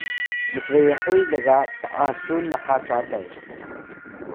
msbehuy lga p’asun naha calay